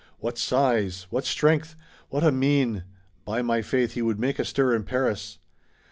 What size! What strength! What a mien! By my faith, he would make a stir in Paris!"